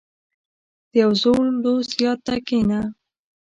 • د یو زوړ دوست یاد ته کښېنه.